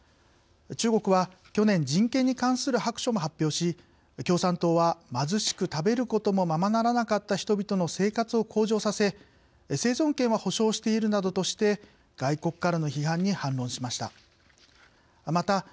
中国は、去年人権に関する白書も発表し共産党は、貧しく食べることもままならなかった人々の生活を向上させ生存権は保障しているなどとして外国からの批判に反論しました。